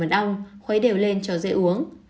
mặt ong khuấy đều lên cho dễ uống